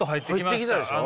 入ってきたでしょ。